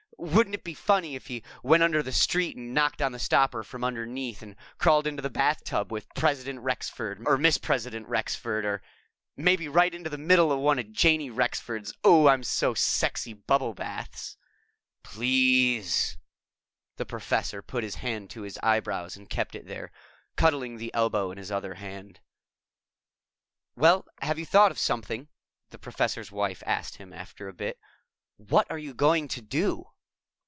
Wouldn't it be funny if he went under the street and knocked on the stopper from underneath and crawled into the bathtub with President Rexford, or Mrs. President Rexford, or maybe right into the middle of one of Janey Rexford's Oh I'm so sexy bubble baths?" "Please!" The Professor put his hand to his eyebrows and kept it there, cuddling the elbow in his other hand. "Well, have you thought of something?" the Professor's Wife asked him after a bit. "What are you going to do?"